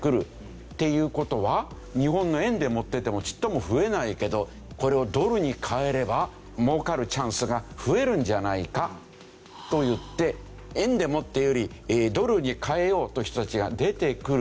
っていう事は日本の円で持っててもちっとも増えないけどこれをドルに換えれば儲かるチャンスが増えるんじゃないかといって円で持っているよりドルに換えようという人たちが出てくる。